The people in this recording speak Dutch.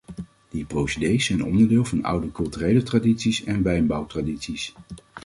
Die procedés zijn onderdeel van oude culturele tradities en wijnbouwtradities.